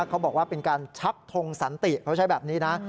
เขาบอกว่าเป็นการชักทงสันติเขาใช้แบบนี้นะ